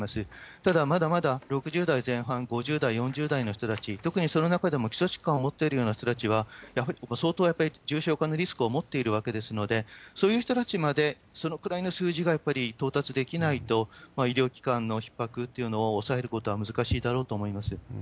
ただ、まだまだ６０代前半、５０代、４０代の人たち、特にその中でも基礎疾患を持っているような人たちは、相当やっぱり重症化のリスクを持っているわけですので、そういう人たちまでそのぐらいの数字が到達できないと、医療機関のひっ迫っていうのを抑えることは難しいだろうと思いま